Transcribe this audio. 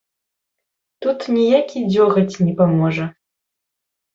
Тут ніякі дзёгаць не паможа!